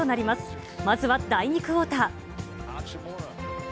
まずは第２クオーター。